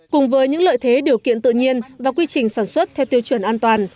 cùng với những lợi thế điều kiện tự nhiên và quy trình sản xuất theo tiêu chuẩn an toàn